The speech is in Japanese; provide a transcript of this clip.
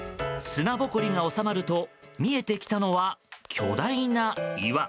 砂ぼこりが収まると見えてきたのは、巨大な岩。